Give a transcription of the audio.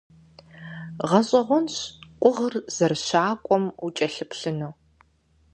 ГъэщӀэгъуэнщ къугъыр зэрыщакӀуэм укӀэлъыплъыну.